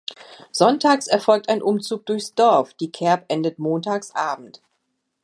Sonntags erfolgt ein Umzug durchs Dorf, die Kerb endet montags abends.